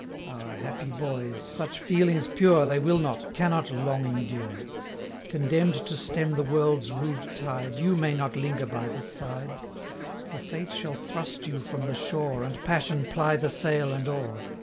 Ah, happy boys! such feelings pure, 120 They will not, cannot long endure; Condemn'd to stem the world's rude tide, You may not linger by the side; For Fate shall thrust you from the shore, And passion ply the sail and oar.